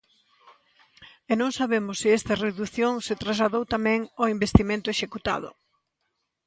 E non sabemos se esta redución se trasladou tamén ao investimento executado.